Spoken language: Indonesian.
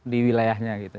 di wilayahnya gitu